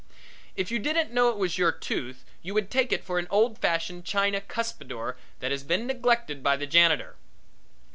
If you didn't know it was your tooth you would take it for an old fashioned china cuspidor that had been neglected by the janitor.